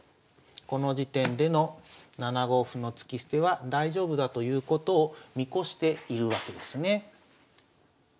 この時点での７五歩の突き捨ては大丈夫だということを見越しているわけですね。